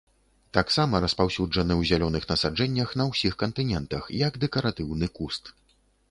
Таксама распаўсюджаны ў зялёных насаджэннях на ўсіх кантынентах як дэкаратыўны куст.